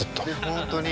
本当に。